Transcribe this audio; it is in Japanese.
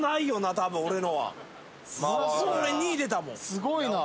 すごいな。